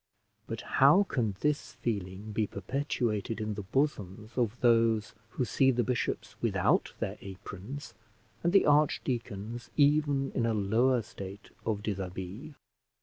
But how can this feeling be perpetuated in the bosoms of those who see the bishops without their aprons, and the archdeacons even in a lower state of dishabille?